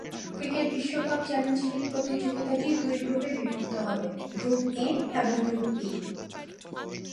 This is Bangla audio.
ক্রিকেট বিশ্বকাপ চ্যালেঞ্জ লীগ প্রতিযোগিতাটি দুটি গ্রুপে বিভক্ত হবে, গ্রুপ এ এবং গ্রুপ বি।